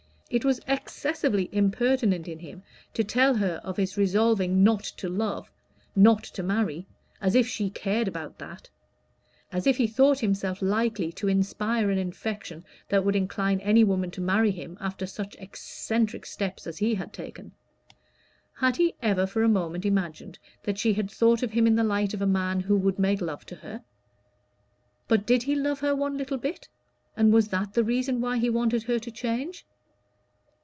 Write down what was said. It was excessively impertinent in him to tell her of his resolving not to love not to marry as if she cared about that; as if he thought himself likely to inspire an affection that would incline any woman to marry him after such eccentric steps as he had taken. Had he ever for a moment imagined that she had thought of him in the light of a man who would make love to her? But did he love her one little bit, and was that the reason why he wanted her to change?